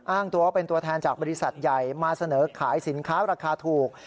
อ้างตัวว่าเป็นตัวแทนจากบริษัทใหญ่มาเสนอขายสินค้าราคาถูก